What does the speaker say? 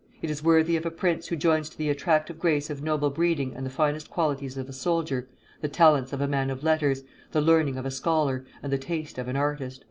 It is worthy of a prince who joins to the attractive grace of noble breeding and the finest qualities of a soldier, the talents of a man of letters, the learning of a scholar, and the taste of an artist."